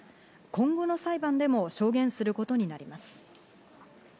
今後の裁判でも証言することになります。